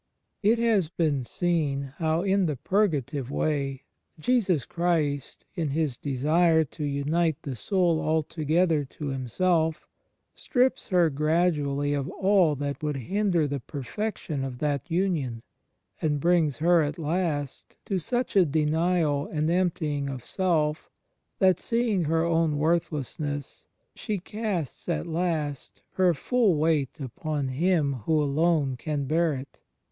It has been seen how in the Purgative Way, Jesus Christ, in His desire to unite the soul altogether to Himself, strips her gradually of all that would hinder the perfection of that union, and brings her at last to such a "denial*' and emptying of self that, seeing her own worthlessness, she casts at last her fidl weight upon Him who alone can bear it.